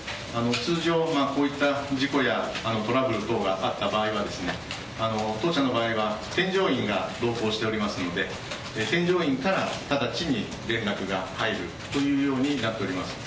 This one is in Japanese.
通常、こういった事故やトラブル等があった場合は当社の場合は添乗員が同行しておりますので添乗員からただちに連絡が入るというようになっております。